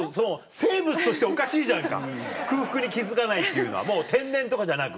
生物としておかしいじゃんか空腹に気付かないっていうのはもう天然とかじゃなく。